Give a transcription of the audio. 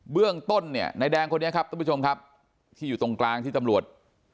เรื่องต้นเนี่ยนายแดงคนนี้ครับท่านผู้ชมครับที่อยู่ตรงกลางที่ตำรวจ